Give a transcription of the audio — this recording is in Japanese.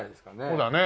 そうだよね。